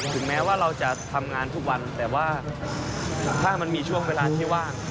ถึงแม้ว่าเราจะทำงานทุกวันแต่ว่าถ้ามันมีช่วงเวลาที่ว่าง